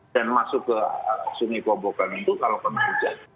dan masuk ke sungi kobokan itu kalau kebujat